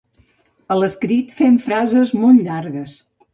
A l'escrit fem frases molt llargues.